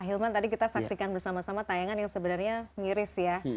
hilman tadi kita saksikan bersama sama tayangan yang sebenarnya miris ya